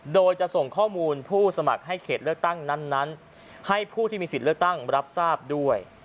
โดยจะส่งข้อมูลผู้สมัครให้เขตเลือกตั้งนั้นให้ผู้ที่มีสิทธิ์เลือกตั้งรับทราบด้วย